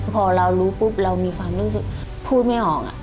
พอเรารู้ปุ๊บเรามีความรู้สึกพูดไม่ออก